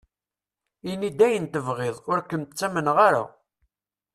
Ini-d ayen tebɣiḍ, ur kem-ttamneɣ ara.